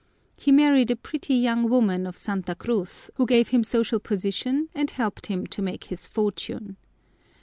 He married a pretty young woman of Santa Cruz, who gave him social position and helped him to make his fortune.